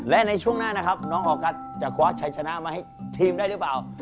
และในช่วงหน้านะครับน้องออกัสจะคว้าชัยชนะมาให้ทีมได้หรือเปล่า